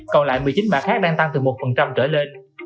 còn lại một mươi chín mã khác đang tăng từ một trở lên